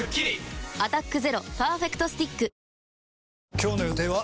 今日の予定は？